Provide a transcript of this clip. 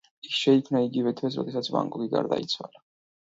ის შეიქმნა იგივე თვეს როდესაც ვან გოგი გარდაიცვალა.